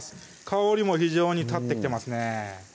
香りも非常に立ってきてますね